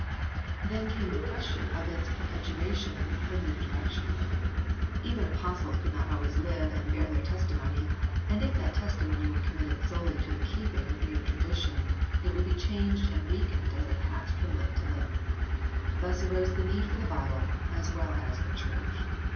Then came the question of its perpetuation and permanent direction. Even Apostles could not always live and bear their testi mony, and if that testimony were committed solely to the keeping of mere tradition it would be changed 2 HISTORY OF THE ENGLISH BIBLE [OH. and weakened as it passed from lip to lip. Thus arose the need for the Bible as well as the Church.